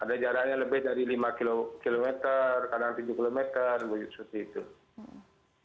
ada jaraknya lebih dari lima kilometer kadang tiga kilometer seperti itu